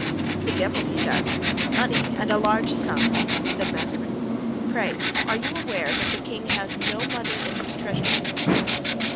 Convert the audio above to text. "The devil he does! Money! and a large sum!" said Mazarin. "Pray, are you aware that the king has no money in his treasury?"